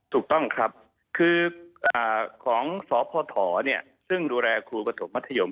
ถูกต้องครับคือของสพซึ่งดูแลครูประถมมัธยม